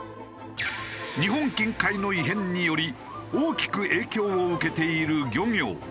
日本近海の異変により大きく影響を受けている漁業。